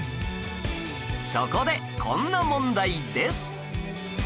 そこでこんな問題です